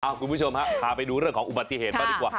คุณผู้ชมฮะพาไปดูเรื่องของอุบัติเหตุบ้างดีกว่า